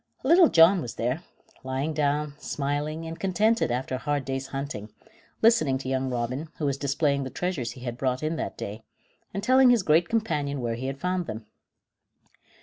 Little John was there, lying down, smiling and contented after a hard day's hunting, listening to young Robin, who was displaying the treasures he had brought in that day, and telling his great companion where he had found them.